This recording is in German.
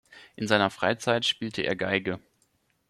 In seiner Freizeit spielte er Geige.